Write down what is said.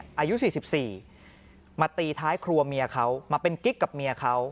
อายุ๔๔มาตีท้ายครัวเมียเขามาเป็นกิ๊กกับเมียเขา